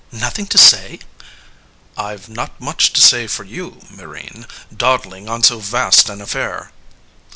Nothing to say? LYSISTRATA I've not much to say for you, Myrrhine, dawdling on so vast an affair.